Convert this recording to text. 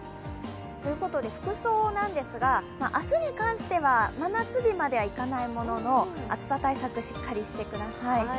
服装なんですが、明日に関しては真夏日まではいかないものの、暑さ対策、しっかりしてください。